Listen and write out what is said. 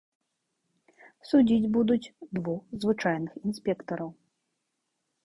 Судзіць будуць двух звычайных інспектараў.